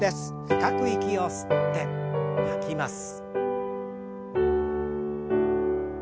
深く息を吸って吐きます。